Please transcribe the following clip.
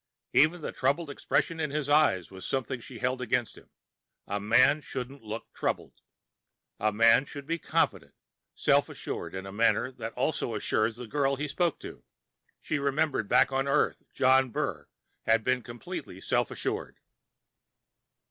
Even the troubled expression in his eyes was something she held against him. A man shouldn't look troubled. A man should be confident, self assured in a manner that also assured the girl he spoke to. She remembered that back on Earth John Burr had been completely self assured.